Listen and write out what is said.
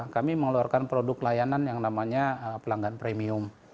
kami mengeluarkan produk layanan yang namanya pelanggan premium